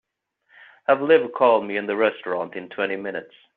Have Liv call me in the restaurant in twenty minutes.